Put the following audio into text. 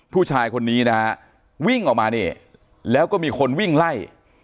ผู้ชายคนนี้นะฮะวิ่งออกมานี่แล้วก็มีคนวิ่งไล่